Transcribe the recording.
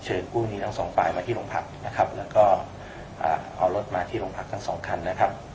กู้หนี้ทั้งสองฝ่ายมาที่โรงพักนะครับแล้วก็เอารถมาที่โรงพักทั้งสองคันนะครับ